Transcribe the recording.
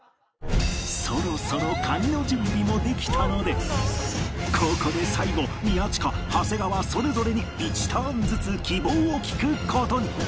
そろそろ蟹の準備もできたのでここで最後宮近長谷川それぞれに１ターンずつ希望を聞く事に